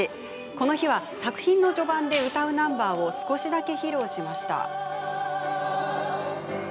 この日は、作品の序盤で歌うナンバーを少しだけ披露しました。